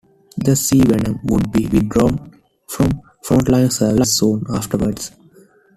The Sea Venom would be withdrawn from frontline service soon afterwards.